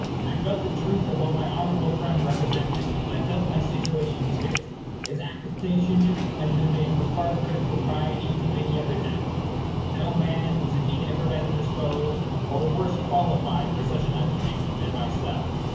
I felt the truth of what my honorable friend represented; but I felt my situation too. His application might have been made with far greater propriety to many other gentlemen. No man was indeed ever better disposed, or worse qualified, for such an undertaking than myself.